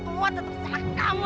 kekuatan tetap salah kamu